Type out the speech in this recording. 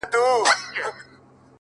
خپل د لاس څخه اشـــنــــــا _